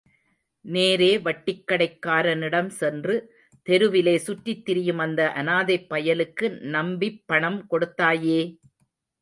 நேரே வட்டிக்கடைக்காரனிடம் சென்று, தெருவிலே சுற்றித்திரியும் அந்த அனாதைப் பயலுக்கு நம்பிப்பணம் கொடுத்தாயே!